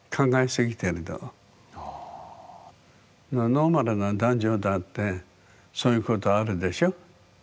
ノーマルな男女だってそういうことあるでしょ。